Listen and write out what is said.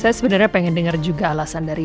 saya sebenernya pengen denger juga alasan dari al